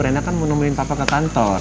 rena kan mau nomelin papa ke kantor